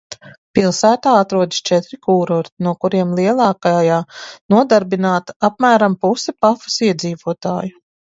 Pilsētā atrodas četri kūrorti, no kuriem lielākajā nodarbināta apmēram puse Pafas iedzīvotāju.